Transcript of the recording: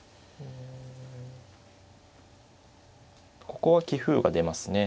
ここは棋風が出ますね。